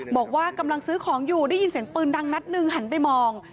บอกว่ากำลังซื้อของอยู่ได้ยินเสียงปืนดังนัดหนึ่งหันไปมอง